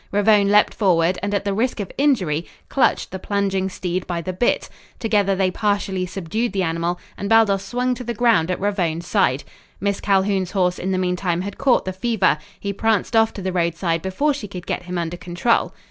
Ravone leaped forward and at the risk of injury clutched the plunging steed by the bit. Together they partially subdued the animal and Baldos swung to the ground at Ravone's side. Miss Calhoun's horse in the meantime had caught the fever. He pranced off to the roadside before she could get him under control.